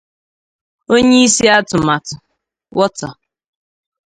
onyeisi atụmatụ 'Water